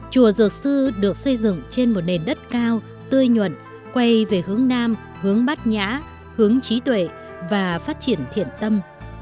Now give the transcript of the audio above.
chùa sư được xây dựng trên một nền đất cao tươi nhuận quay về hướng nam hướng bát nhã hướng trí tuệ và phát triển thiện tâm